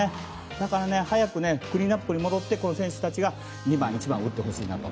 だから、早くクリーンアップに戻って、この選手たちが２番、１番を打ってほしいなと。